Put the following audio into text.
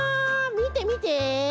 みてみて！